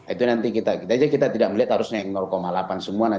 itu nanti kita kita tidak melihat harusnya yang delapan semua tapi nanti kita lihat perilaku